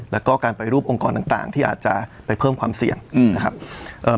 แล้วก็การไปรูปองค์กรต่างต่างที่อาจจะไปเพิ่มความเสี่ยงอืมนะครับเอ่อ